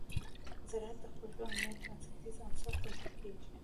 زراعت د خوړو امنیت بنسټیز عنصر ګڼل کېږي.